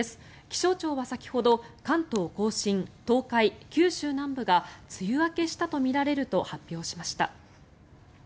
気象庁は先ほど関東・甲信、東海、九州南部が梅雨明けしたとみられると発表しました。